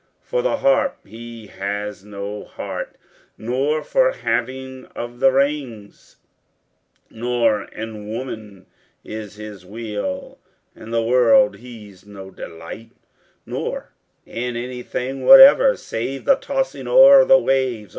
For the harp he has no heart, nor for having of the rings, Nor in woman is his weal, in the world he's no delight, Nor in anything whatever save the tossing o'er the waves!